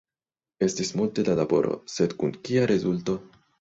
Estis multe da laboro, sed kun kia rezulto?